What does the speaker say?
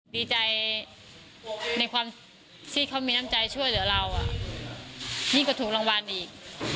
ดีใจในความที่เขามีน้ำใจช่วยเหลือเรายิ่งกว่าถูกรางวัลอีก